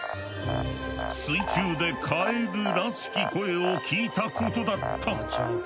水中でカエルらしき声を聞いたことだった。